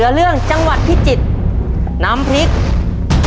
ตัวเลือกที่สี่ชัชวอนโมกศรีครับ